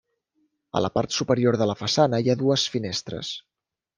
A la part superior de la façana hi ha dues finestres.